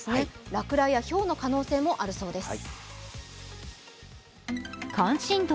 落雷やひょうの可能性もあるそうです。